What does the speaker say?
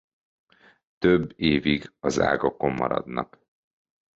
Több évig az ágakon maradnak.